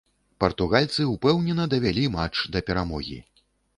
Партугальцы ўпэўнена давялі матч да перамогі.